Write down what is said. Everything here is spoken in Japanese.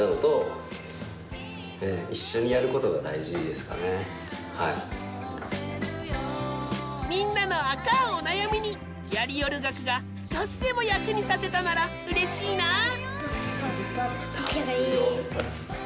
ですけどみんなのアカンお悩みに「やりおる学」が少しでも役に立てたならうれしいなぁ。